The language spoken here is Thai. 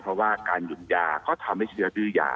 เพราะว่าการหยุดยาก็ทำให้เชื้อดื้อยา